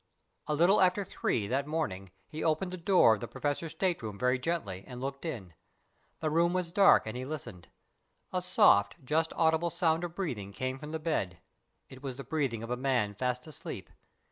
A little after three that morning he opened the door of the Professor's state room very gently and looked in. The room was dark, and he listened. A soft, just audible sound of breathing came from the bed. It was the breathing of a man fast asleep.